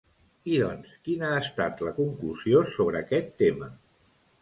I doncs, quina ha estat la conclusió sobre aquest tema?